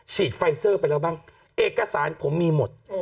ไฟเซอร์ไปแล้วบ้างเอกสารผมมีหมด